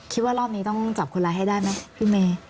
คิดว่ารอบนี้ต้องจับคนร้ายให้ได้ไหมพี่เมย์